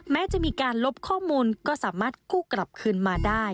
แม้จะมีการลบข้อมูลก็สามารถกู้กลับคืนมาได้